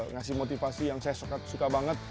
ngasih motivasi yang saya suka banget